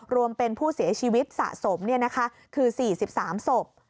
รวมเป็นผู้เสียชีวิตสะสมคือ๔๓ศพ